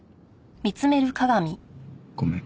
ごめん。